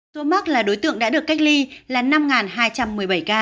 số mắc là đối tượng đã được cách ly là năm hai trăm một mươi bảy ca